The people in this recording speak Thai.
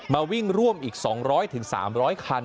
มาวิ่งร่วมอีก๒๐๐๓๐๐คัน